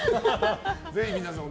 ぜひ皆さんも。